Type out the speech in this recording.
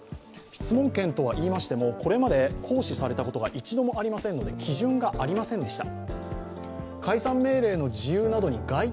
質問権とはいいましても、これまで行使されたことが一度もありませんので基準がありませんでした。